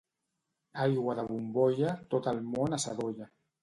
Aigua de bombolla, tot el món assadolla.